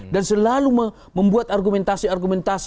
dan selalu membuat argumentasi argumentasi